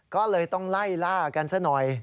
ก็เลยต้องไล่ล่ากันซะหน่อย